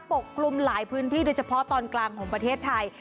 กลุ่มหลายพื้นที่โดยเฉพาะตอนกลางของประเทศไทย